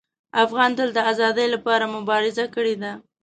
افغان تل د ازادۍ لپاره مبارزه کړې ده.